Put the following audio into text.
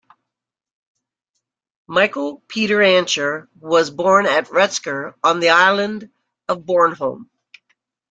Michael Peter Ancher was born at Rutsker on the island of Bornholm.